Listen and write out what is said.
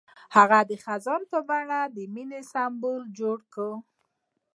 هغه د خزان په بڼه د مینې سمبول جوړ کړ.